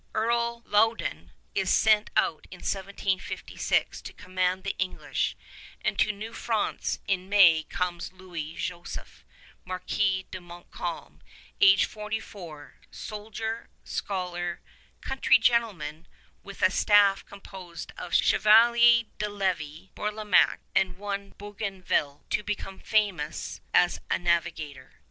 Earl Loudon is sent out in 1756 to command the English, and to New France in May comes Louis Joseph, Marquis de Montcalm, age forty four, soldier, scholar, country gentleman, with a staff composed of Chevalier de Lévis, Bourlamaque, and one Bougainville, to become famous as a navigator.